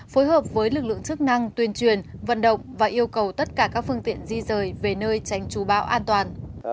phối hợp với lực lượng chức năng tuyên truyền vận động và yêu cầu tất cả các phương tiện di rời về nơi tránh trú bão an toàn